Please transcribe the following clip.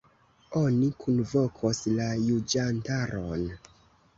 Oni kunvokos la juĝantaron.